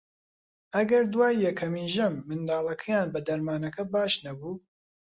ئەگەر دوای یەکەمین ژەم منداڵەکەیان بە دەرمانەکە باش نەبوو